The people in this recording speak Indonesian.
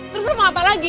terus lu mau apa lagi